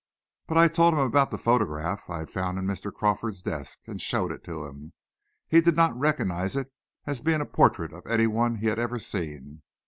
But I told him about the photograph I had found in Mr. Crawford's desk, and showed it to him. He did not recognize it as being a portrait of any one he had ever seen.